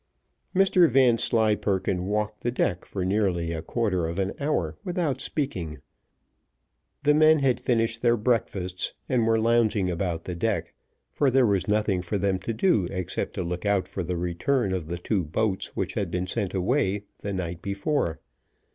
Mr Vanslyperken walked the deck for nearly a quarter of an hour without speaking: the men had finished their breakfasts, and were lounging about the deck, for there was nothing for them to do, except to look out for the return of the two boats which had been sent away the night before.